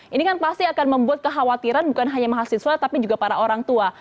ini kan pasti akan membuat kekhawatiran bukan hanya mahasiswa tapi juga para orang tua